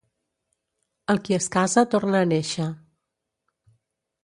El qui es casa torna a néixer.